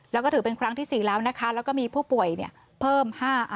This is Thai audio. แล้วก็ถือเป็นครั้งที่๔แล้วนะคะแล้วก็มีผู้ป่วยเพิ่ม๕